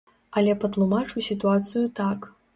Але патлумачу сітуацыю так.